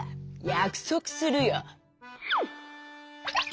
やくそくするよ」。